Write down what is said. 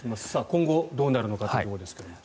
今後どうなるのかというところですけれども。